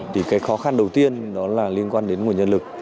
thì cái khó khăn đầu tiên đó là liên quan đến nguồn nhân lực